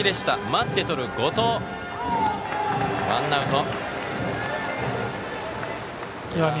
ワンアウト。